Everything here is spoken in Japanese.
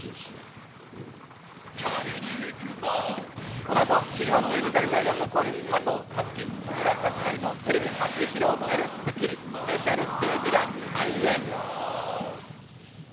この後、日本ミュージカル界が誇る加藤和樹、木村達成のテレビ初披露となる、スッキリスペシャルステージが開演。